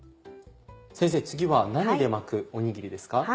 先生次は何で巻くおにぎりですか？